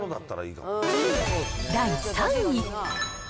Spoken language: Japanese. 第３位。